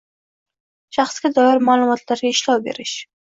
Shaxsga doir ma’lumotlarga ishlov berish